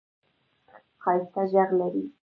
ښایسته ږغ لرې !